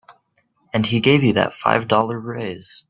And he gave you that five dollar raise.